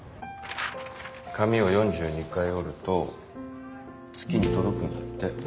紙を４２回折ると月に届くんだって。